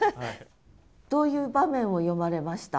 どういう場面を詠まれました？